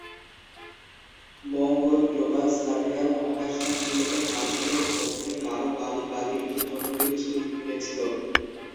মঙ্গল global surveyor মহাকাশযান মূলত হার্শেলের মধ্যে গাঢ় বালি বালির ক্ষেত্রগুলির ছবি তুলেছিল।